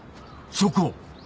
職を。